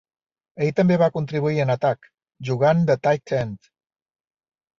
Ell també va contribuir en atac jugant de tight end.